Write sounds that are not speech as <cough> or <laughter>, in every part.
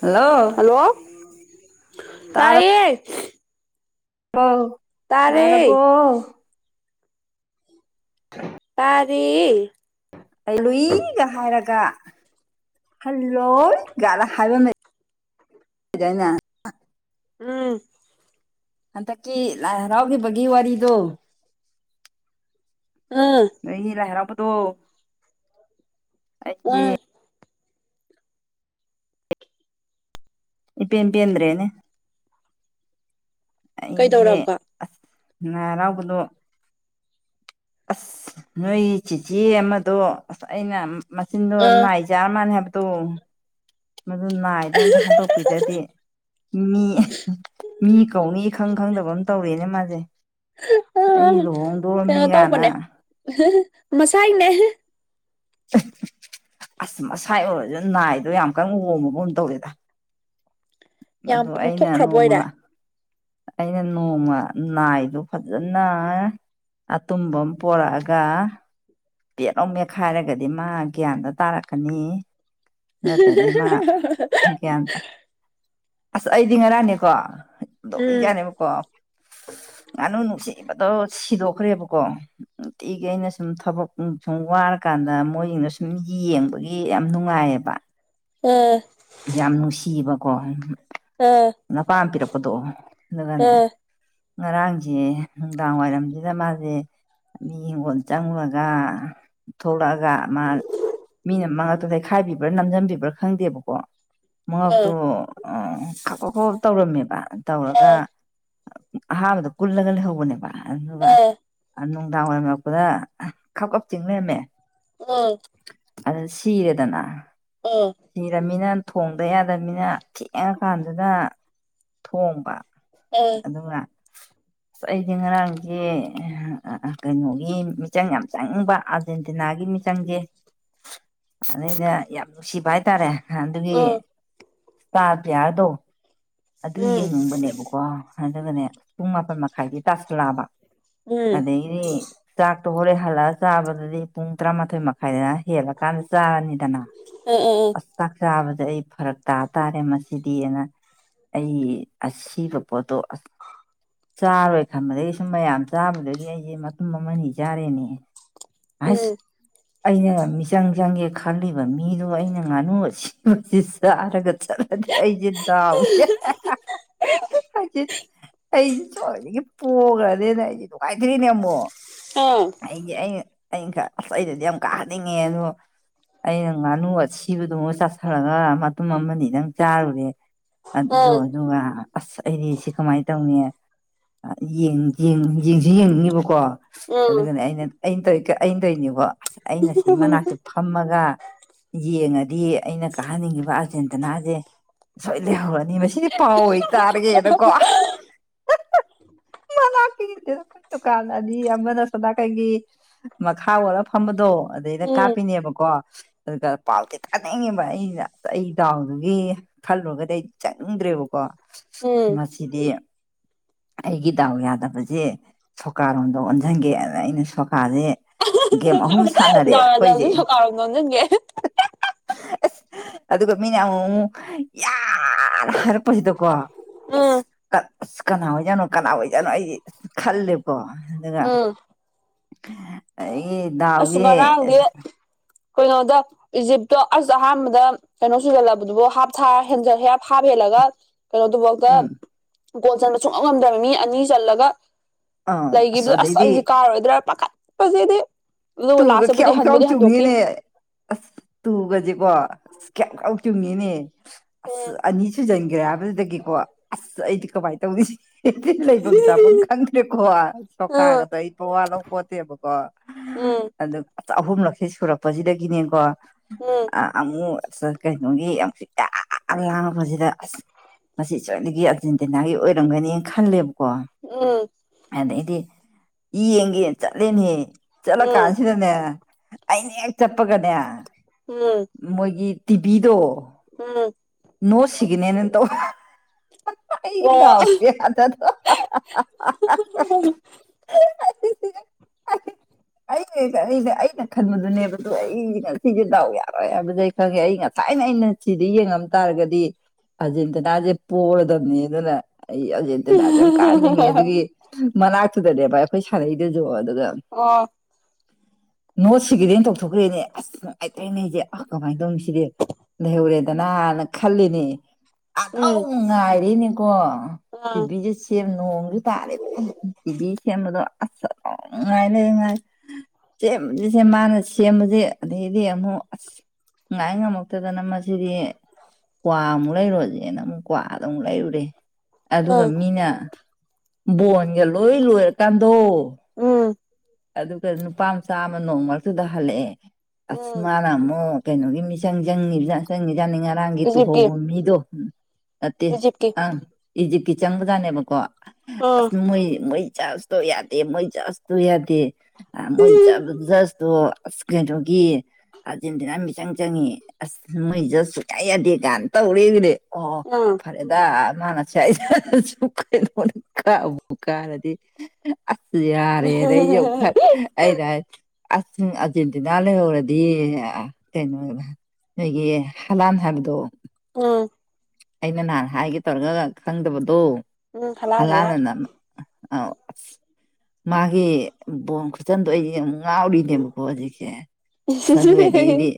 hello hello ꯇꯥꯏꯌꯦ ꯑꯣ ꯇꯥꯔꯦ ꯇꯥꯔꯕꯣ ꯇꯥꯔꯦ ꯑꯩ ꯂꯨꯏꯒ ꯍꯥꯏꯔꯒ ꯍꯜꯂꯣꯏꯗ ꯀꯥꯏꯅ ꯍꯥꯏꯕ ꯑꯃ ꯂꯩꯗꯥꯏꯅꯦ ꯎꯝ ꯍꯟꯗꯛꯀꯤ ꯂꯥꯏꯍꯥꯔꯥꯎꯒꯤꯕꯒꯤ ꯋꯥꯔꯤꯗꯣ ꯑꯥ ꯅꯣꯏꯒꯤ ꯂꯥꯏ ꯍꯔꯥꯎꯕꯗꯣ ꯑꯩꯖꯦ ꯑꯥ ꯏꯄꯦꯟ ꯄꯦꯟꯗ꯭ꯔꯦꯅꯦ ꯑꯩꯁꯦ ꯀꯩꯗꯧꯔꯕ ꯑꯁ ꯂꯥꯏ ꯍꯥꯔꯥꯎꯕꯗꯣ ꯑꯁ ꯅꯣꯏ ꯆꯤꯆꯦ ꯑꯃꯗꯣ ꯑꯁ ꯑꯩꯅ ꯃꯆꯤꯟꯗꯣ ꯑꯥ ꯅꯥꯏ ꯆꯥꯕ ꯃꯥꯜꯂꯤ ꯍꯥꯏꯕꯗꯣ ꯃꯗꯨ ꯅꯥꯏꯗꯣ ꯑꯃꯨꯛꯇ ꯍꯟꯗꯣꯛꯄꯤꯗꯗꯤ ꯃꯤ ꯃꯤ ꯀꯧꯅꯤ ꯏꯈꯪ ꯈꯪꯗꯕ ꯑꯃ ꯇꯧꯔꯦꯅꯦ ꯃꯥꯁꯦ ꯑꯁ ꯑꯩ ꯂꯨꯍꯣꯡꯗꯣꯔꯝꯃꯤ ꯀꯩꯅꯣ ꯀꯥꯏꯅ ꯇꯧꯕꯅꯦ ꯍꯥꯥ ꯍꯥ ꯃꯁꯥꯏꯅꯦ ꯑꯁ ꯃꯁꯥꯏ ꯑꯣꯏꯔꯁꯨ ꯅꯥꯏꯗꯣ ꯌꯥꯝ ꯀꯟꯅ ꯑꯣꯝꯃꯒꯨꯝ ꯇꯧꯔꯦꯗ ꯌꯥꯝ ꯑꯗꯨ ꯑꯩꯅ ꯄꯨꯡꯊꯣꯛꯈ꯭ꯔꯕ ꯅꯣꯡꯃ ꯑꯣꯏꯔꯦ ꯂꯥꯛ ꯑꯩꯅ ꯅꯣꯡꯃ ꯅꯥꯏꯗꯣ ꯐꯖꯅ ꯑꯇꯨꯝꯕ ꯑꯃ ꯄꯣꯔꯛꯑꯒ ꯄꯦꯠ ꯂꯥꯎ ꯃꯦꯠꯈꯥꯏꯔꯒꯗꯤ ꯃꯥ ꯒ꯭ꯌꯥꯟꯗꯣ ꯇꯥꯔꯛꯀꯅꯤ ꯅꯠꯇꯗꯤ ꯃꯥ ꯒ꯭ꯌ꯭ꯥꯟ ꯇ ꯑꯁ ꯑꯩꯗꯤ ꯉꯔꯥꯡꯅꯦꯀꯣ ꯎꯝ ꯅꯣꯛꯅꯤꯡꯖꯥꯅꯤꯀꯣ ꯉꯥꯅꯨ ꯅꯨꯡꯁꯤ ꯁꯤꯕꯗꯣ ꯁꯤꯗꯣꯛꯈ꯭ꯔꯦꯕꯀꯣ ꯅꯨꯡꯇꯤꯒꯤ ꯑꯩꯅ ꯁꯨꯝ ꯊꯕꯛ ꯁꯨꯝ ꯋꯥꯔꯀꯥꯟꯗ ꯃꯣꯏꯖꯤꯡꯗꯣ ꯁꯨꯝ ꯌꯦꯡꯕꯒꯤ ꯌꯥꯝ ꯅꯨꯡꯉꯥꯏꯌꯦꯕ ꯑꯥ ꯌꯥꯝ ꯅꯨꯡꯁꯤꯌꯦꯕꯀꯣ ꯑꯥ ꯅꯄꯥꯅ ꯄꯤꯔꯛꯄꯗꯣ ꯑꯗꯨꯒꯅꯦ ꯑꯥ ꯉꯔꯥꯡꯁꯦ ꯅꯨꯡꯗꯥꯡ ꯋꯥꯏꯔꯝꯁꯤꯗ ꯃꯥꯖꯦ ꯃꯤ ꯍꯤꯡꯒꯣꯜ ꯆꯪꯉꯨ ꯒꯥ ꯊꯣꯛꯂꯛꯑꯒꯥ ꯃꯥ ꯃꯤꯅ ꯃꯉꯛꯇꯣ ꯂꯩꯈꯥꯏꯕꯤꯕ꯭ꯔꯥ ꯅꯝꯖꯤꯟꯕꯤꯕ꯭ꯔꯥ ꯈꯪꯗꯦꯕꯀꯣ ꯑꯥ ꯃꯉꯛꯇꯨ ꯑ ꯈꯄ ꯈꯄ ꯇꯧꯔꯝꯃꯦꯕ ꯇꯧꯔꯒ ꯑꯥ ꯑꯍꯥꯥꯟꯕꯗ ꯀꯨꯜꯂꯒ ꯂꯩꯍꯧꯕꯅꯦꯕ ꯑꯗꯨꯒ ꯑꯥ ꯅꯨꯡꯗꯥꯡ ꯋꯥꯏꯔꯝ ꯌꯧꯔꯛꯄꯗ ꯈꯞ ꯈꯞ ꯆꯤꯡ ꯂꯩꯔꯝꯃꯦ ꯑꯥ ꯑꯗꯨ ꯁꯤꯔꯦꯗꯅ ꯑꯥ ꯁꯤꯔꯃꯤꯅ ꯊꯣꯡꯗ ꯌꯥꯗꯕꯅꯤꯅ ꯊꯦꯡꯉꯀꯥꯟꯗꯨꯗ ꯊꯣꯡꯕ ꯑꯥ ꯑꯗꯨꯒ ꯑꯁ ꯑꯩꯗꯤ ꯉꯔꯥꯡꯁꯦ ꯀꯩꯅꯣꯒꯤ ꯃꯤꯆꯪ ꯌꯥꯝ ꯆꯪꯕ ꯑꯥꯔꯖꯦꯟꯇꯤꯅꯥꯒꯤ ꯃꯤꯆꯪꯁꯦ ꯑꯗꯩꯗ ꯌꯥꯝ ꯅꯨꯡꯁꯤꯕ ꯍꯥꯏꯇꯥꯔꯦ ꯍꯥ ꯑꯗꯨꯒꯤ ꯑꯥ ꯁ꯭ꯇꯥꯔ ꯄꯤꯌꯥꯔꯗꯣ ꯑꯗꯨ ꯎꯝ ꯌꯦꯡꯅꯤꯡꯕꯅꯦꯕꯀꯣ ꯑꯗꯨꯒꯅꯦ ꯄꯨꯡ ꯃꯥꯄꯟ ꯃꯈꯥꯏꯗꯤ ꯇꯥꯁꯜꯂꯛꯑꯕ ꯑꯗꯒꯤꯗꯤ ꯆꯥꯛ ꯑꯗꯣ ꯍꯣꯔꯦꯜ ꯍꯜꯂꯛꯑꯒ ꯆꯥꯕꯗꯗꯤ ꯄꯨꯡ ꯇꯔꯥꯃꯥꯊꯣꯏ ꯃꯈꯥꯏ ꯇꯥꯏ ꯍꯦꯜꯂ ꯀꯥꯟꯗ ꯆꯥꯔꯅꯤꯗꯅ ꯎꯝ ꯑꯥ ꯑꯥ ꯑꯁ ꯆꯥꯛ ꯆꯥꯕꯗ ꯑꯩ ꯐꯔꯛ ꯇꯥꯕ ꯇꯥꯔꯦ ꯃꯁꯤꯗꯤ ꯍꯥꯏꯅ ꯑꯩ ꯑꯁꯤꯕ ꯄꯣꯠꯇꯣ ꯆꯥꯔꯣꯏ ꯈꯟꯕꯗꯒꯤ ꯁꯨꯝ ꯃꯌꯥꯝ ꯆꯥꯕꯗꯒꯤ ꯑꯩꯁꯦ ꯃꯇꯨꯝ ꯑꯃꯅꯤ ꯆꯥꯔꯦꯅꯦ ꯑꯁ ꯎꯝ ꯑꯩꯅ ꯃꯤꯆꯪ ꯆꯪꯒꯦ ꯈꯜꯂꯤꯕ ꯃꯤꯗꯣꯒ ꯑꯩꯅ ꯉꯥꯅꯨ ꯑꯁꯤꯕꯁꯤ ꯆꯥꯔꯒ ꯆꯠꯂꯗꯤ ꯑꯩꯁꯦ ꯗꯥꯎꯁꯦ ꯍꯥ ꯍꯥ ꯍꯥ ꯑꯩꯁꯦ ꯑꯩꯁꯦ ꯁꯣꯏꯗꯒꯤ ꯄꯣꯈ꯭ꯔꯅꯦꯅ ꯑꯩꯁꯦ ꯅꯨꯡꯉꯥꯏꯇ꯭ꯔꯦꯅꯦ ꯑꯃꯨꯛ ꯑꯥ ꯑꯩꯁꯦ ꯑꯩꯅ ꯑꯩꯅ ꯈꯜꯂꯦ ꯑꯩꯅꯗꯤ ꯌꯥꯝ ꯀꯥꯍꯟꯅꯤꯡꯉꯦ ꯑꯗꯣ ꯑꯩꯅ ꯉꯥꯅꯨ ꯑꯁꯤꯕꯗꯨꯃ ꯆꯥꯁꯤꯜꯂꯒ ꯃꯇꯨꯝ ꯑꯃꯅꯤꯗꯪ ꯆꯥꯔꯨꯔꯦ ꯑꯗꯨꯒ ꯑꯁ ꯑꯩꯗꯤ ꯁꯤ ꯀꯃꯥꯏꯅ ꯇꯧꯅꯤ ꯑ ꯌꯦꯡ ꯌꯦꯡꯁꯨ ꯌꯦꯡꯅꯤꯡꯉꯤꯕꯀꯣ ꯑꯥ ꯎꯝ ꯑꯗꯨꯒꯅꯦ ꯑꯩꯅ ꯑꯩꯅ ꯇꯧ ꯑꯩꯅ ꯇꯧꯏꯅꯤꯀꯣ ꯑꯁ ꯑꯩꯅ ꯑꯁꯤ ꯃꯅꯥꯛꯇ ꯐꯝꯃꯒ ꯌꯦꯡꯉꯗꯤ ꯑꯩꯅ ꯀꯥꯍꯟꯅꯤꯡꯉꯤꯕ ꯑꯥꯔꯖꯦꯟꯇꯤꯅꯥꯁꯦ ꯁꯣꯏꯗꯅ ꯂꯩꯍꯧꯔꯅꯤ ꯃꯁꯤꯗꯤ ꯄꯥꯎ ꯑꯣꯏꯅ ꯇꯥꯔꯒꯦꯅꯀꯣ ꯍꯥ ꯍꯥ ꯃꯅꯥꯛ ꯗꯨꯀꯥꯟ ꯑꯅꯤ ꯑꯃꯅ ꯁꯣꯝꯅꯥꯀꯟꯒꯤ ꯃꯈꯥ ꯑꯣꯜꯂꯒ ꯐꯝꯕꯗꯣ ꯑꯗꯩꯗ ꯎꯝ ꯀꯥꯞꯄꯤꯅꯤꯕꯀꯣ ꯑꯗꯨꯒ ꯄꯥꯎꯗꯤ ꯇꯥꯅꯤꯡꯉꯤꯕ ꯑꯩꯅ ꯑꯩ ꯗꯥꯎꯗꯨꯒꯤ ꯈꯜꯂꯨꯔꯒ ꯑꯩ ꯆꯪꯅꯤꯡꯗ꯭ꯔꯦꯕꯀꯣ ꯎꯝ ꯃꯁꯤꯗꯤ ꯑꯩꯒꯤ ꯗꯥꯎ ꯌꯥꯗꯕꯁꯦ ꯁꯣꯀꯥꯔꯣꯝꯗ ꯑꯣꯟꯁꯤꯟꯒꯦ ꯑꯗꯨꯗ ꯑꯩꯅ ꯁꯣꯀ ꯁꯣꯀꯥꯅꯦ ꯒꯦꯝ ꯑꯍꯨꯝ ꯁꯥꯟꯅꯔꯦ ꯗꯥ ꯗꯥꯁꯨ ꯑꯩꯈꯣꯏꯁꯦ ꯁꯣꯀꯥꯔꯣꯝ ꯅꯣꯝꯖꯤꯟꯒꯦ <unintelligible> ꯑꯗꯨꯒ ꯃꯤꯅ ꯑꯃꯨꯛ ꯃꯨꯛ ꯌꯥ ꯍꯥꯏꯅ ꯍꯥꯏꯔꯛꯄꯁꯤꯗꯀꯣ ꯎꯝ ꯑꯁ ꯑꯁ ꯀꯅꯥ ꯑꯣꯏꯖꯠꯅꯣ ꯀꯅꯥ ꯑꯣꯏꯖꯠꯅꯣ ꯑꯩꯁꯦ ꯈꯜꯂꯦꯀꯣ ꯑꯗꯨꯒ ꯎꯝ ꯑꯩ ꯑꯁ ꯉꯔꯥꯡꯗꯤ ꯀꯩꯅꯣꯗ ꯏꯖꯤꯞ ꯇꯣ ꯑꯁ ꯑꯍꯥꯟꯕꯗ ꯀꯩꯅꯣ ꯁꯨꯖꯜꯂꯕꯗꯨꯕꯨ ꯍꯥꯞꯊꯥꯔ ꯍꯦꯜꯂꯒ ꯀꯩꯅꯣꯗꯨꯕꯥꯎꯗ ꯎꯝ ꯒꯣꯜ ꯆꯟꯕ ꯁꯨꯡꯉꯝ ꯉꯝꯗ꯭ꯔꯕ ꯃꯤ ꯑꯅꯤ ꯆꯜꯂꯒ ꯑꯥ ꯂꯩꯒꯤꯕꯗꯨ ꯑꯁ ꯑꯗꯩꯗꯤ ꯑꯩꯗꯤ ꯀꯥꯔꯔꯣꯏꯗ꯭ꯔꯥ ꯄꯥꯈꯠꯄꯁꯤꯗꯤ ꯑꯗꯨꯒ ꯇꯨꯒ ꯂꯥꯁꯇꯕꯨꯗꯤ ꯈ꯭ꯌꯥꯎ ꯈ꯭ꯌꯥꯎ ꯍꯟꯕꯨꯗꯤ ꯍꯟꯗꯣꯛꯈꯤ ꯆꯣꯡꯉꯤꯅꯦ ꯑꯁ ꯇꯨꯒꯁꯦꯀꯣ ꯑꯁ ꯀꯌꯥꯎ ꯀꯥꯎ ꯆꯨꯝꯉꯅꯦ ꯑꯁ ꯎꯝ ꯑꯅꯤ ꯁꯨꯖꯟꯒ꯭ꯔꯦ ꯍꯥꯏꯕꯗꯨꯗꯒꯤꯀꯣ ꯑꯁ ꯑꯩꯗꯤ ꯀꯃꯥꯏ ꯇꯧꯅꯤꯁꯤꯗꯤ ꯍꯦꯛꯇꯥ ꯂꯩꯐꯝ ꯆꯥꯐꯝ ꯈꯪꯗ꯭ꯔꯦꯀꯣ ꯎꯝ ꯁꯣꯀꯥꯒꯗꯣ ꯑꯩ ꯃꯋꯥ ꯂꯧꯄꯣꯠꯇꯦꯕꯀꯣ ꯑꯗꯨ ꯑꯁ ꯑꯍꯨꯝꯂꯛꯁꯦ ꯁꯨꯔꯛꯄꯁꯤꯗꯒꯤꯅꯦꯀꯣ ꯎꯝ ꯑ ꯑꯃꯨꯛ ꯑꯁ ꯀꯩꯅꯣꯒꯤ ꯍꯧꯖꯤꯛ ꯌꯥꯝ ꯂꯥꯡꯕꯁꯤꯗ ꯑꯁ ꯃꯁꯤ ꯁꯣꯏꯗꯒꯤ ꯑꯥꯔꯖꯦꯟꯇꯤꯅꯥꯒꯤ ꯑꯣꯏꯔꯝꯒꯅꯤ ꯈꯜꯂꯦꯕ ꯀꯣ ꯎꯝ ꯑꯗꯩꯗꯤ ꯌꯦꯡꯒꯦ ꯆꯠꯂꯦꯅꯦ ꯍꯦ ꯎꯝ ꯀꯥꯟꯁꯤꯗꯅꯦ ꯑꯩꯅ ꯍꯦꯛ ꯆꯠ ꯄꯒꯅꯦ ꯎꯝ ꯎꯝ ꯃꯣꯏꯒꯤ ꯇꯤꯚꯤꯗꯣ ꯎꯝ ꯅꯣ ꯁꯤꯒꯅꯦꯟꯅ ꯇꯧ ꯑꯣ <unintelligible> <unintelligible> <unintelligible> ꯉꯁꯥꯏꯅ ꯑꯩꯅ ꯆꯤꯗꯤ ꯌꯦꯡꯉꯝ ꯇꯥꯔꯒꯗꯤ ꯑꯥꯔꯖꯦꯟꯇꯤꯅꯥꯖꯦ ꯄꯣꯔꯗꯝꯅꯦ ꯑꯗꯨꯅ ꯑꯩ ꯑꯔꯖꯦꯟꯇꯤꯅꯥꯖꯦ ꯌꯥꯝ ꯀꯥꯍꯟꯅꯤꯡꯉꯦ ꯑꯗꯨꯒꯤ ꯃꯅꯥꯛꯇꯨꯗꯅꯦꯕ ꯑꯈꯣꯏ ꯁꯥꯟꯅꯩꯗꯨꯖꯨ ꯑꯣ ꯅꯣ ꯁꯤꯒꯅꯦꯟ‌ ꯇꯧꯊꯣꯛꯈ꯭ꯔꯦꯅꯦ ꯑꯁ <unintelligible> ꯑꯩꯖꯦ ꯑꯥ ꯀꯃꯥꯏ ꯇꯧꯅꯤ ꯁꯤꯗꯤ ꯂꯩꯍꯧꯔꯦꯗꯅꯥꯅ ꯈꯜꯂꯤꯅꯦ ꯑꯥꯗꯨꯝ ꯎꯝ ꯉꯥꯏꯔꯦꯅꯦꯀꯣ ꯇꯤ ꯎꯝ ꯕꯤ ꯖꯦ ꯁꯦꯝ ꯅꯣꯡꯖꯨ <unintelligible> ꯇꯤ ꯕꯤ ꯁꯦꯝꯕꯗꯣ ꯑꯁ ꯑꯗꯨꯝ ꯉꯥꯏ ꯂꯩ ꯉꯥꯏ ꯁꯦꯝꯕꯖꯤ ꯁꯦꯝ ꯃꯥꯅ ꯁꯦꯝꯕꯖꯤ ꯑꯗꯩꯗꯤ ꯑꯃꯨꯛ ꯑꯁ ꯉꯥꯏ ꯉꯝꯃꯛꯇꯗꯅ ꯃꯁꯤꯗꯤ ꯀ꯭ꯋꯥꯃꯨꯛ ꯂꯩꯔꯨꯔꯖꯦꯅ ꯑꯃꯨꯛ ꯀ꯭ꯋꯥꯗꯨ ꯑꯃꯨꯛ ꯂꯩꯔꯨꯔꯦ ꯑꯗꯨꯒ ꯎꯝ ꯃꯤꯅ ꯕꯣꯟꯒ ꯂꯣꯏ ꯂꯣꯏꯔꯀꯥꯟꯗꯣ ꯎꯝ ꯑꯗꯨꯒ ꯅꯨꯄꯥꯝꯆꯥ ꯑꯃ ꯅꯣꯡ ꯃꯔꯛꯇꯨꯗ ꯍꯜꯂꯛꯑꯦ ꯑꯁ ꯎꯝ ꯃꯥꯅ ꯑꯃꯨꯛ ꯀꯩꯅꯣꯒꯤ ꯃꯤꯆꯪ ꯆꯪꯉꯤꯝꯖꯥꯠꯅꯤ ꯆꯪꯉꯤꯖꯥꯠꯅꯤ ꯉꯔꯥꯡꯒꯤ ꯏꯖꯤꯞꯀꯤ ꯇꯨꯍꯧꯕ ꯃꯤꯗꯣ ꯅꯠꯇꯦ ꯏꯖꯤꯞꯀꯤ ꯑꯪ ꯏꯖꯤꯞꯀꯤ ꯆꯪꯕꯖꯥꯠꯅꯦꯕꯀꯣ ꯎꯝ ꯑꯁ ꯃꯣꯏ ꯃꯣꯏ ꯆꯁꯇꯣ ꯌꯥꯗꯦ ꯃꯣꯏ ꯖꯁꯇꯨ ꯌꯥ ꯗꯦ ꯑ ꯃꯣꯏ ꯖ ꯖꯁꯇꯣ ꯑꯁ ꯀꯩꯅꯣꯒꯤ ꯑꯥꯔꯖꯦꯟꯇꯤꯅꯥ ꯃꯤꯆꯪ ꯆꯪꯉꯦ ꯑꯁ ꯃꯣꯏ ꯖꯁ ꯁꯨꯛꯌꯥ ꯌꯥꯗꯦ <unintelligible> ꯇꯧꯔꯦꯅꯦ ꯑꯣ ꯑꯣ ꯎꯝ ꯐꯔꯦꯗ <unintelligible> ꯀꯥꯕꯨ‌ ꯀꯥꯔꯗꯤ ꯌꯥꯔꯦꯅ‌‌ ꯑꯩꯖꯦ ꯑꯃꯨꯛ <unintelligible> ꯑꯁ ꯑꯔꯖꯦꯟꯇꯤꯅꯥ ꯂꯩꯍꯧꯔꯗꯤ ꯑ ꯀꯩꯅꫭ ꯅꯣꯏꯒꯤ ꯍꯂꯥꯟ ꯍꯥꯏꯕꯗꯣ <unintelligible> ꯑꯩꯅ ꯅꯍꯥꯟ ꯍꯥꯏꯒꯦ ꯇꯧꯔꯒ ꯈꯪꯗꯕꯗꯣ ꯎꯝ ꯍꯂꯥꯜ ꯍꯂꯥꯜ ꯍꯜꯂꯥꯟꯅ ꯑꯃ ꯑꯥꯎ ꯃꯥꯒꯤ ꯕꯣꯟ ꯈꯨꯆꯟꯗꯣ <unintelligible> ꯉꯥꯎꯔꯤꯅꯦꯕ ꯀꯣ ꯍꯧꯖꯤꯛꯁꯦ ꯑꯁ ꯑꯗꯨ ꯑꫭꯏꯗꯤ ꯑꯩꯗꯤ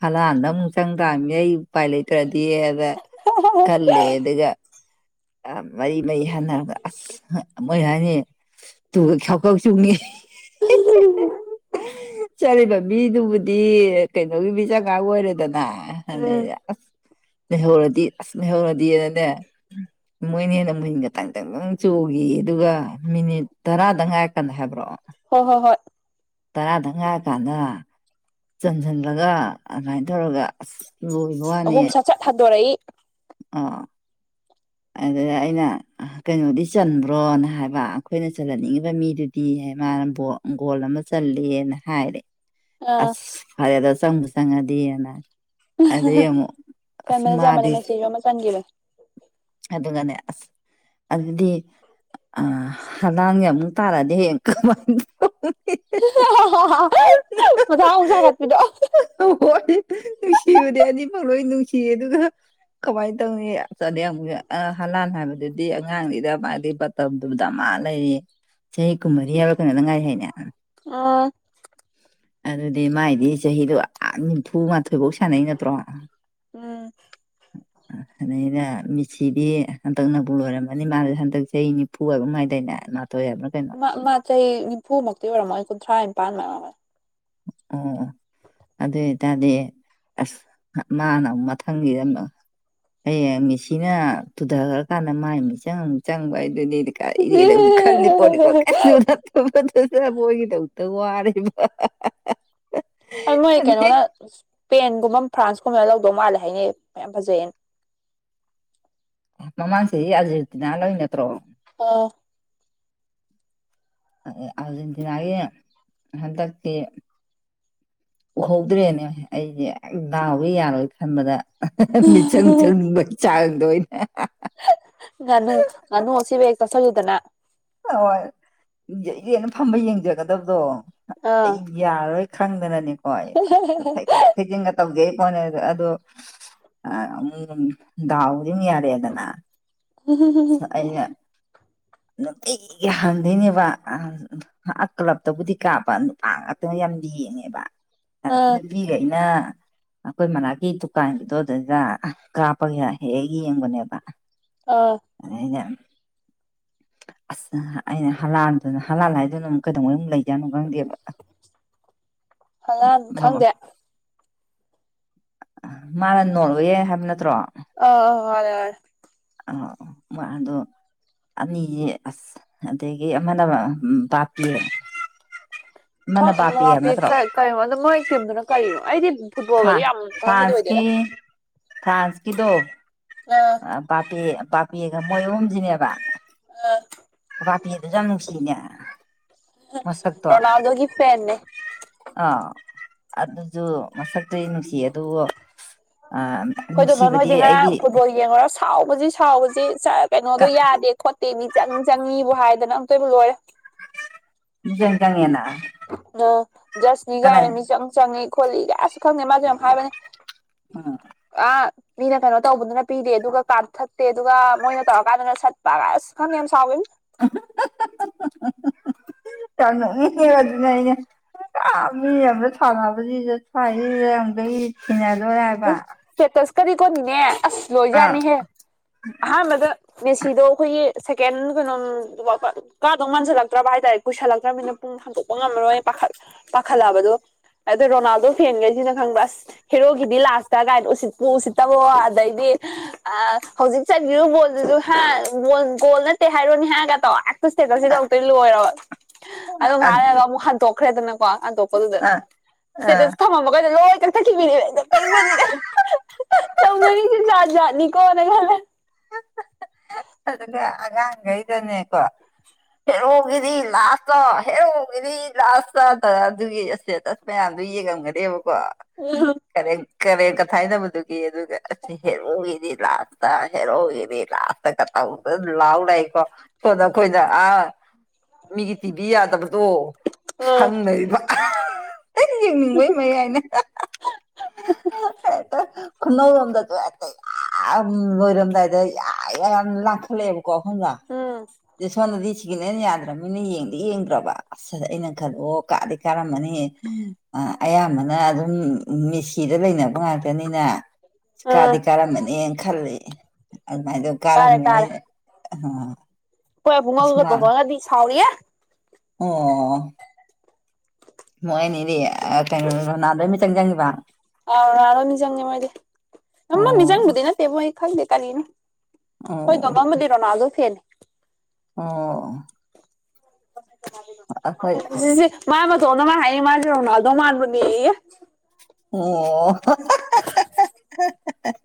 ꯍꯂꯥꯟꯗ ꯑꯃꯨꯛ ꯆꯪ ꯇꯥꯃꯤ ꯑꯩ ꯎꯄꯥꯏ ꯂꯩꯇ꯭ꯔꯗꯤ <unintelligible> ꯈꯜꯂꯦ ꯑꯗꯨꯒ ꯑ ꯃꯔꯤ ꯃꯔꯤ ꯍꯥꯟꯅꯔꯒ ꯑꯁ ꯃꯣꯏ ꯍꯥꯏꯅꯤ ꯇꯨꯒ ꯈ꯭ꯌꯥꯎ ꯈ꯭ꯌꯥꯎ ꯆꯨꯡꯉꯤ <unintelligible> ꯆꯠꯂꯤꯕ ꯃꯤꯗꯨꯕꯨꯗꯤ ꯀꯩꯅꯣꯒꯤ ꯃꯤꯆꯪꯉꯥꯛ ꯑꯣꯏꯔꯦꯗꯅ ꯎꯝ ꯑꯗꯩꯗ ꯑꯁ ꯂꯩꯍꯧꯔꯗꯤ ꯑꯁ ꯂꯩꯍꯧꯔꯗꯤꯅꯅꯦ ꯃꯣꯏꯅ ꯍꯦꯟꯅ ꯃꯨꯍꯤꯟꯒ ꯗꯪ ꯗꯪ ꯆꯣꯡꯉꯤꯌꯦ ꯑꯗꯨꯒ ꯃꯤꯅꯤꯠ ꯇꯔꯥꯗꯪ ꯉꯥꯏ ꯔꯀꯥꯟꯗ ꯍꯥꯏꯕ꯭ꯔꯣ ꯍꯣ‌ ꯍꯣ ꯍꯣꯏ ꯇꯔꯥꯗꯪ ꯉꯥꯏꯔꯀꯥꯟꯗ ꯆꯟꯖꯟꯕꯒ ꯑꯗꯨꯝꯃꯥꯏ ꯇꯧꯔꯒ ꯑꯁ ꯂꯣꯏꯕ ꯋꯥꯅꯤ ꯑꯍꯨꯝ ꯁꯠ ꯁꯠ ꯍꯟꯗꯣꯔꯛꯏ ꯑꯥ ꯑꯗꯨꯗ ꯑꯩꯅ ꯀꯩꯅꯣꯗꯤ ꯆꯟꯕ꯭ꯔꯣꯅ ꯍꯥꯏꯕ ꯑꯩꯈꯣꯏꯅ ꯆꯜꯍꯟꯅꯤꯡꯉꯤꯕ ꯃꯤꯗꯨꯗꯤ ꯍꯥꯏ ꯃꯥꯅ <unintelligible> ꯒꯣꯜ ꯑꯃ ꯆꯜꯂꯦꯅ ꯍꯥꯏꯔꯦ ꯑꯥ ꯑꯁ ꯐꯔꯦꯗ ꯆꯪꯕꯨ ꯆꯪꯉꯗꯤꯅ ꯑꯗꯩ ꯑꯃꯨꯛ <unintelligible> ꯑꯁ ꯆꯟꯕꯅꯦ ꯆꯟꯕꯅꯦ ꯃꯥꯗꯤ ꯃꯦꯁꯤꯖꯨ ꯑꯃ ꯆꯟꯒꯤꯕꯅꯦ ꯑꯗꯨꯒꯅꯦ ꯑꯁ ꯑꯗꯨꯗꯤ ꯑ ꯍꯂꯥꯟꯒ ꯑꯃꯨꯛ ꯇꯥꯔꯛꯑꯗꯤ ꯍꯌꯦꯡ ꯀꯝꯃꯥꯏ <unintelligible> ꯇꯧꯅꯤ ꯍꯤ ꯍꯤ ꯍꯥꯍꯥ ꯃꯊꯥ ꯑꯃꯨꯛ ꯁꯥꯒꯠꯄꯤꯗꯣ ꯅꯨꯡꯁꯤꯕꯗꯤ ꯑꯅꯤꯃꯛ ꯂꯣꯢ ꯅꯨꯡꯁꯤꯔꯦ ꯑꯗꯨꯒ ꯀꯃꯥꯏꯅ ꯇꯧꯅꯤ ꯆꯗꯨ ꯍꯂꯥꯟ ꯍꯥꯏꯕꯗꯨꯗꯤ ꯑꯉꯥꯡꯅꯤꯗ ꯃꯥꯗꯤ ꯃꯇꯝꯗꯨ ꯗꯥ ꯃꯥ ꯂꯩꯔꯤ ꯆꯍꯤ ꯀꯨꯟꯃꯔꯤ ꯍꯥꯏꯕꯔ ꯀꯅꯣꯗꯪ ꯉꯥꯏꯔꯤ ꯍꯥꯏꯅꯦ ꯑꯥ ꯑꯗꯨꯗ ꯑꯗꯨꯗꯤ ꯃꯥꯏꯗꯤ ꯆꯍꯤꯗꯣ ꯑ ꯅꯤꯝꯐꯨ ꯃꯥꯊꯣꯏꯐꯧ ꯁꯥꯟꯅꯩ ꯅꯠꯇ꯭ꯔꯣ ꯎꯝ ꯑꯗꯩꯗ ꯃꯤꯁꯤꯗꯤ ꯍꯟꯗꯛꯅꯕꯨ ꯂꯣꯏꯔꯝꯃꯅꯤ ꯃꯥꯅꯤ ꯍꯟꯗꯛ ꯆꯍꯤ ꯅꯤꯐꯨ ꯍꯥꯏꯕꯔ ꯀꯩꯅꯣꯝ ꯍꯥꯏꯗꯥꯢꯅꯦ ꯃꯥ ꯆꯍꯤ ꯅꯤꯐꯨꯃꯨꯛꯇꯤ ꯑꯣꯏꯔꯝꯃꯣꯏ ꯀꯨꯟꯊ꯭ꯔꯥ ꯅꯤꯄꯥꯟ ꯃꯥꯢ ꯑꯣꯑꯣ ꯑꯗꯨꯏꯇꯥꯗꯤ ꯑꯁ ꯃꯥꯅ ꯑꯃꯨꯛ ꯃꯊꯪꯒꯤꯗ ꯍꯌꯦꯡ ꯃꯤꯁꯤꯅ ꯇꯨꯊꯈ꯭ꯔꯀꯥꯟꯗ ꯃꯥꯏ ꯃꯤꯆꯪ ꯑꯃꯨꯛ ꯆꯪꯕ ꯍꯥꯏ ꯑꯗꯨꯅꯤ ꯕꯤꯀꯔꯤꯗꯤ ꯑꯗꯨꯝ ꯈꯜꯂꯤ ꯄꯣꯠꯅꯤ ꯀꯩꯁꯨ ꯅꯠꯇꯕꯗ <unintelligible> ꯑ ꯃꯣꯏ ꯑꯗꯩ ꯀꯩꯅꯣꯅ ꯏꯁꯄꯦꯟ ꯀꯨꯨꯝꯕ ꯐ꯭ꯔꯥꯟꯁꯀꯨꯝꯕꯅ ꯂꯧꯗꯧ ꯃꯥꯜꯂꯦ ꯍꯥꯏꯅꯤ ꯃꯌꯥꯝ ꯐꯖꯩꯌꯦꯅ ꯃꯃꯥꯡ ꯆꯍꯤ ꯑꯔꯖꯦꯟꯇꯤꯅ ꯂꯧꯔꯤ ꯅꯠꯇ꯭ꯔꯣ ꯎꯝ ꯑꯣ ꯑꯥꯔꯖꯦꯟꯇꯤꯅꯥꯒꯤ ꯍꯟꯗꯛꯇꯤ ꯎꯍꯧꯗ꯭ꯔꯦꯅꯦ ꯑꯩꯗꯤ ꯗꯥꯎꯁꯦ ꯌꯥꯔꯣꯏ ꯈꯟꯕꯗ ꯃꯤꯆꯪ ꯆꯪꯅꯤꯡꯕꯒꯤ ꯆꯥꯡꯗꯣ ꯑꯩꯅ ꯉꯅꯨ ꯉꯅꯨ ꯑꯁꯤꯕ ꯍꯦꯛ ꯆꯥꯁꯤꯟꯂꯨꯗꯅ ꯍ ꯍꯣꯏ ꯏꯔꯦꯅ ꯐꯝꯕ ꯌꯦꯡꯖꯒꯗꯕꯗꯣ ꯑꯥ ꯑꯩ ꯌꯥꯔꯔꯣꯏ ꯈꯪꯗꯅꯅꯦꯀꯣ ꯑꯩ ꯊꯩꯗꯣꯛ ꯊꯩꯖꯤꯟꯒ ꯇꯧꯖꯩ ꯄꯣꯠꯅꯦ ꯑꯗꯣ ꯑꯃꯨ ꯗꯥꯎꯗꯤ ꯑꯗꯨꯝ ꯌꯥꯗꯦꯅ ꯑꯩꯅ ꯅꯨꯡꯇꯤꯒꯤ ꯍꯪꯗꯣꯏꯅꯦꯕ ꯀ꯭ꯂꯞꯇꯕꯨꯗꯤ ꯀꯥꯞ ꯅꯨꯄꯥ ꯉꯥꯛꯇꯅ ꯌꯥꯝ ꯌꯦꯡꯉꯦꯕ ꯑꯥ ꯅꯨꯄꯤꯒꯩꯅ ꯑꯩꯈꯣꯏ ꯃꯅꯥꯛꯀꯤ ꯗꯨꯀꯥꯟꯒꯤꯗꯣ ꯑꯗꯨꯗꯩꯗ ꯀꯥꯞꯄꯒ ꯍꯦꯛ ꯍꯦꯛ ꯌꯦꯡꯕꯅꯦꯕ ꯑꯥ ꯑꯗꯩꯗ ꯑꯁ ꯑꯩꯅ ꯍꯂꯥꯜꯗꯨꯅ ꯍꯂꯥꯜ ꯍꯥꯏꯗꯨꯅ ꯑꯃꯨꯛ ꯀꯩꯗꯧꯉꯩ ꯑꯃꯨꯛ ꯂꯩꯗꯣꯢ ꯂꯩꯗꯣꯢ ꯖꯠꯅꯣ ꯈꯪꯗꯦꯕ ꯍꯂꯥꯟ ꯈꯪꯗꯦ ꯃꯥꯅ ꯅꯣꯔꯋꯦ ꯍꯥꯏꯕ ꯅꯠꯇ꯭ꯔꯣ ꯑ ꯃꯥꯅꯦ ꯃꯥꯅꯦ <unintelligible> ꯑꯅꯤꯁꯦ ꯑꯁ ꯑꯗꯒꯤ ꯑꯃꯅ ꯕꯥꯞꯄꯤꯌꯦ ꯀꯩꯅꯣ ꯑꯣ ꯃꯣꯏ ꯇꯤꯝꯗꯨꯅ ꯀꯔꯤꯅꯣ ꯑꯩꯗꯤ ꯐꯨꯠꯕꯣꯜꯒꯗꯤ ꯌꯥꯝ ꯈꯪꯕꯗꯤ ꯐ꯭ꯔꯥꯟꯁꯀꯤ ꯑꯣꯏꯗꯦꯗ ꯐ꯭ꯔꯥꯟꯁꯀꯤꯗꯣ ꯑ ꯕꯥꯞꯄꯦꯌꯦ ꯕꯥꯞꯄꯦꯌꯦꯒ ꯃꯣꯏ ꯑꯍꯨꯝꯁꯤꯅꯦꯕ ꯑ ꯕꯥꯞꯄꯦꯌꯦ ꯗꯨꯁꯨ ꯌꯥꯝ ꯅꯨꯡꯁꯤꯅꯦ ꯃꯁꯛꯇꯣ ꯔꯣꯅꯥꯜꯗꯣꯒꯤ ꯐꯦꯟꯅꯦ ꯑꯥ ꯑꯗꯨꯖꯨ ꯃꯁꯛꯇꯨꯗꯤ ꯅꯨꯡꯁꯤ ꯑꯗꯨꯕꯨ ꯍꯣꯏꯗꯣ ꯅꯨꯡꯁꯤꯕꯗꯤ ꯅꯣꯏꯗꯤ ꯑꯩꯗꯤ ꯉꯔꯥꯡ ꯐꯨꯠ ꯕꯣꯜ ꯌꯦꯡꯉꯨꯔ ꯁꯥꯎꯕꯁꯤ ꯁꯥꯎꯕꯁꯤ ꯀꯩꯅꯣꯗꯣ ꯌꯥꯗꯦ ꯈꯣꯠꯇꯦ ꯃꯤ ꯆꯪ ꯆꯪꯉꯤꯕꯨ ꯍꯥꯏꯗꯅ ꯑꯝꯇꯣꯏꯕꯨ ꯂꯣꯏꯔꯦ INAUDIBLE ꯑꯥ ꯖꯁꯅꯤ ꯀꯥꯏꯅ ꯃꯤꯆꯪ ꯆꯪꯉꯤ- ꯈꯣꯠꯂꯤ ꯍꯥꯖ ꯈꯪꯗꯦ ꯃꯥꯖꯨ ꯌꯥꯝ ꯍꯥꯏꯕꯅꯦ ꯎꯝ ꯑꯥ ꯃꯤꯅ ꯀꯩꯅꯣ ꯇꯧꯕꯗꯨꯅ ꯄꯤꯗꯦ ꯑꯗꯨꯒ ꯀꯥꯠ ꯊꯠꯇꯦ ꯑꯗꯨꯒ ꯃꯣꯏꯅ ꯇꯧꯔꯀꯥꯟꯗꯅ ꯁꯠꯄꯒ ꯑꯁ ꯈꯪꯗꯦ ꯌꯥꯝ ꯁꯥꯎꯒꯤꯝꯅꯤ ꯌꯥꯝ ꯅꯣꯛꯅꯤꯡꯉꯦ ꯑꯗꯨꯅꯦ ꯑꯩꯅ ꯄꯨꯔꯥ ꯃꯤ ꯂꯝꯗ ꯁꯥꯟꯅꯕꯖꯤꯗꯗ ꯁ꯭ꯋꯥꯗꯖꯤꯗ ꯑꯃꯨꯛꯇꯣꯢꯒꯤ ꯊꯤꯅꯔꯦ ꯎꯝ ꯏꯁꯇꯦꯇꯁꯀꯗꯤꯀꯣ ꯅꯦꯅꯦ ꯑꯥꯁ ꯑꯥ ꯂꯣꯏꯖꯥꯠꯅꯤꯍꯦ ꯑꯍꯥꯟꯕꯗ ꯃꯦꯁꯤꯗꯣ ꯑꯩꯈꯣꯏꯒꯤ ꯁꯦꯀꯦꯟ ꯀꯩꯅꯣ ꯑꯥꯝ ꯀꯥꯗꯧ ꯃꯥꯟꯁꯤꯜꯂꯛꯇ꯭ꯔꯕ ꯍꯥꯏꯇꯥꯔꯦ ꯀꯨꯏꯁꯜꯂꯛꯇ꯭ꯔꯕꯅꯤꯅ ꯄꯨꯡ ꯍꯥꯡꯗꯣꯛꯄ ꯉꯝꯃꯔꯣꯏ ꯄꯥꯈꯠꯂꯛꯑꯥꯕ ꯑꯗꯣ ꯔꯣꯅꯥꯜꯗꯣ ꯐꯦꯟꯈꯩꯁꯤꯅ ꯈꯪꯕ ꯑꯥꯁ ꯍꯦꯔꯣ ꯍꯦꯔꯣꯒꯤꯗꯤ ꯂꯥꯠꯁꯇꯥ ꯀꯥꯏꯅ ꯎꯁꯤꯠꯄꯨ ꯎꯁꯤꯠꯇꯕꯑꯣ ꯑꯗꯩꯗꯤ ꯑꯥ ꯍꯧꯖꯤꯛ ꯆꯟꯒꯤꯕ ꯕꯣꯜꯗꯨꯁꯨꯨ ꯍꯥ ꯒꯣꯜ ꯒꯣꯜ ꯅꯠꯇꯦ ꯍꯥꯏꯔꯣꯅꯦ ꯍꯥ ꯏꯁꯇꯦꯇꯁ ꯁꯤꯗ ꯑꯃꯨꯛꯇꯣꯢꯕꯂꯣꯏꯔꯕ ꯑꯗꯨꯒ ꯑꯥ ꯉꯥꯏꯍꯛ ꯂꯩꯔꯒ ꯑꯃꯨꯛ ꯍꯟꯇꯣꯛꯈ꯭ꯔꯦꯗꯅ ꯀꯣ ꯍꯟꯇꯣꯛꯄꯗꯨꯗ ꯑꯥ ꯏꯁꯇꯦꯇꯁ ꯊꯝꯃꯝꯕꯒꯩꯗꯨ ꯂꯣꯏ ꯀꯊꯠꯈꯤꯕꯅꯦ ꯅꯣꯛꯅꯤꯡꯕꯅꯤꯗ ꯇꯧꯅꯔꯤꯖꯦ ꯖꯥꯠ-ꯖꯥꯠꯅꯤꯀꯣꯅ ꯈꯜꯂꯦ ꯑꯗꯨꯒ ꯑꯉꯥꯡꯒꯩꯗꯅꯦꯀꯣ ꯍꯦꯔꯣꯒꯤꯗꯤ ꯂꯥꯁꯇ-ꯍꯦꯔꯣꯒꯤꯗꯤ ꯂꯥꯁꯇ ꯑꯗꯨꯒꯤ ꯏꯁꯇꯦꯇꯁ ꯃꯌꯥꯝ ꯑꯗꯨ ꯌꯦꯡꯉꯝꯒꯅꯦꯕꯀꯣ ꯎꯝ ꯀꯔꯤꯝ ꯀꯔꯦꯝ-ꯀꯊꯥꯏꯗꯕꯗꯨꯒꯤ ꯑꯗꯨꯒ ꯑꯥꯁ ꯍꯦꯔꯣꯒꯤꯗꯤ ꯂꯥꯁꯇ ꯍꯦꯔꯣꯒꯤꯗꯤ ꯂꯥꯁ ꯇꯧꯗꯅꯥ ꯂꯥꯎ ꯂꯩꯀꯣ ꯁꯣꯝꯗ ꯑꯩꯈꯣꯏꯅ ꯑꯥ ꯃꯤꯒꯤ ꯇꯤꯚꯤ ꯌꯥꯗꯕꯗꯣ ꯎꯝ ꯁꯪꯂꯩꯔꯤꯕ ꯇꯪ ꯌꯦꯡꯅꯤꯡꯕꯩ ꯃꯌꯥꯏꯅ ꯈꯨꯅꯧꯔꯣꯝꯗꯖꯨ ꯍꯦꯛꯇ ꯌꯥꯝ ꯂꯣꯏꯔꯝꯗꯥꯏꯗ ꯌꯥ ꯌꯥ ꯌꯥꯝ ꯂꯥꯡ ꯈꯠꯂꯛ ꯑꯦꯕ INAUDIBLE ꯎꯝ ꯁꯣꯟꯗꯗꯤ ꯁꯤꯒꯤꯅꯦꯜ ꯌꯥꯗ꯭ꯔꯕꯅꯤꯅ ꯌꯦꯡꯗꯤ ꯌꯦꯡꯗ꯭ꯔꯕ ꯑꯥꯁ ꯑꯩꯅ ꯈꯟꯂꯦ ꯑꯣ ꯀꯥꯗꯤ- ꯀꯥꯔꯝꯃꯅꯤꯍꯦ ꯑꯌꯥꯝꯕꯅ ꯑꯗꯨꯝ ꯃꯦꯁꯤꯗ ꯂꯩꯅꯕ ꯉꯥꯛꯇꯅꯤꯅ ꯀꯥꯗꯤ ꯑꯥ ꯀꯥꯔꯝꯃꯅꯤꯍꯦ ꯈꯜꯂꯤ ꯑꯗꯨꯃꯥꯏꯗꯧ ꯇꯥꯔꯦ ꯀꯥꯔꯝꯃꯦ ꯑꯩ ꯑꯈꯣꯏ ꯏꯕꯨꯡꯉꯣꯗꯨꯒ ꯗꯨꯡꯕꯒꯗꯤ ꯁꯥꯎꯔꯤꯑꯦ ꯑꯣꯑꯣ ꯃꯣꯏꯅꯤ ꯀꯩꯅꯣ ꯔꯣꯅꯜꯗꯣꯢ ꯃꯤꯆꯪ-ꯆꯪꯏꯕ ꯍꯩꯃ ꯃꯤꯆꯪꯕꯨꯗꯤ ꯅꯠꯇꯦꯕ ꯑꯩ ꯈꯪꯗꯦ ꯀꯔꯤꯅꯣ ꯍꯣꯏ ꯑꯣ ꯕꯝꯕꯝꯕꯨꯗꯤ ꯔꯣꯅꯥꯜꯗꯣ ꯐꯦꯟꯅꯤ ꯑꯣꯑꯣ ꯃꯥ ꯃꯇꯣꯝꯇꯥ ꯃꯥ ꯍꯥꯏꯅꯦ ꯃꯥꯖꯦ ꯔꯣꯅꯥꯜꯗꯣ ꯃꯥꯟꯕꯅꯦꯌꯦ INAUDIBLE